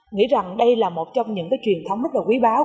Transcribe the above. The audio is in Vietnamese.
nghĩ rằng đây là một trong những truyền thống rất là quý báo